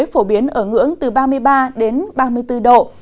phổ biến ở ngưỡng từ ba mươi ba đến ba mươi bốn độ